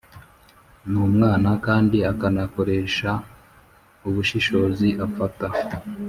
N umwana kandi akanakoresha ubushishozi afata